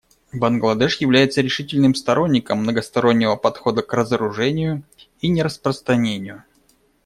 Бангладеш является решительным сторонником многостороннего подхода к разоружению и нераспространению.